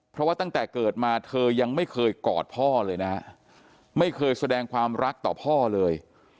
เพราะว่าตั้งแต่เกิดมาเธอยังไม่เคยกอดพ่อเลยนะฮะไม่เคยแสดงความรักต่อพ่อเลย